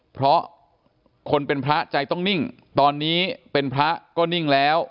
เพราะคนเป็นพระใจต้องนิ่งตอนนี้เป็นพระก็นิ่งแล้ว